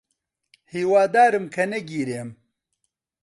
هیوادارم کە نەگیرێم.